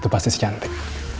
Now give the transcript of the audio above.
itu pasti si cantik